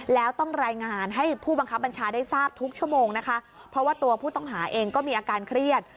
แล้วต้องรายงานให้ผู้บังคับบัญชาได้ทราบทุกชั่วโมงนะคะเพราะว่าตัวผู้ต้องหาเองก็มีอาการเครียด